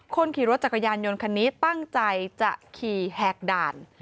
คนขี่รถจักรยานยนต์คันนี้ตั้งใจจะขี่แหกด่าน